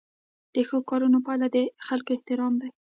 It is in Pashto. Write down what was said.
د ښو کارونو پایله د خلکو احترام دی.